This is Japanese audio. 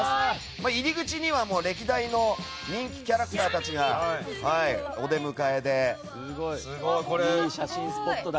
入り口には歴代の人気キャラクターたちがいい写真スポットだ